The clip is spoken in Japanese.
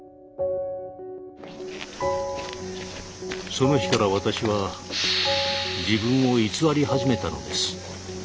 その日から私は自分を偽り始めたのです。